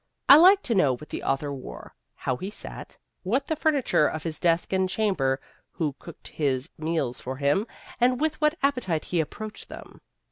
I like to know what the author wore, how he sat, what the furniture of his desk and chamber, who cooked his meals for him, and with what appetite he approached them.